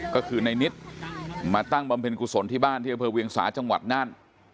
ก็คือในนิดมาตั้งบำเพ็ญกุศลที่บ้านที่อำเภอเวียงสาจังหวัดน่าน